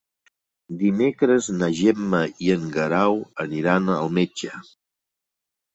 Dimecres na Gemma i en Guerau aniran al metge.